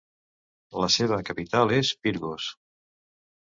La seva capital és Pirgos.